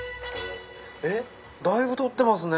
えっだいぶ取ってますね。